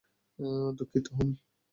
দুঃখিত, হুম।